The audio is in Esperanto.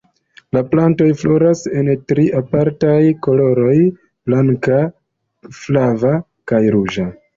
La plantoj floras en tri apartaj koloroj: blanka, flava kaj ruĝa.